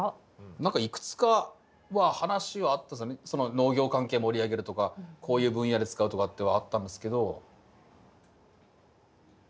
何かいくつかは話はあったすね農業関係盛り上げるとかこういう分野で使うとかってはあったんですけど。